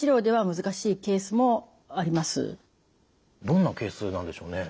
どんなケースなんでしょうね？